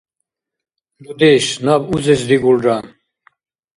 – Дудеш, наб узес дигулра.